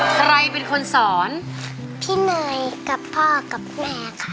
ใครเป็นคนสอนพี่เนยกับพ่อกับแม่ค่ะ